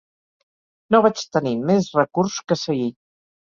No vaig tenir més recurs que seguir.